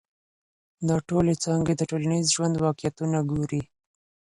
دا ټولي څانګي د ټولنیز ژوند واقعیتونه ګوري.